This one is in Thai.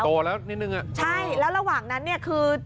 โตแล้วนิดนึงอ่ะใช่แล้วระหว่างนั้นเนี่ยคือ